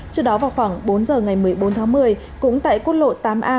trước đó vào khoảng bốn h ngày một mươi bốn tháng một mươi cũng tại quân lộ tám a